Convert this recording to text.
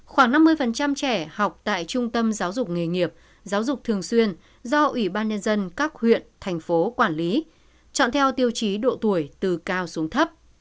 khoảng năm mươi trẻ học tại trung tâm giáo dục nghề nghiệp giáo dục thường xuyên do ủy ban nhân dân các huyện thành phố quản lý chọn theo tiêu chí độ tuổi từ cao xuống thấp